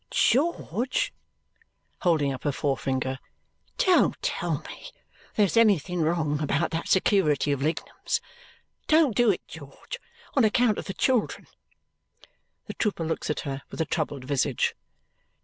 "George!" holding up her forefinger. "Don't tell me there's anything wrong about that security of Lignum's! Don't do it, George, on account of the children!" The trooper looks at her with a troubled visage.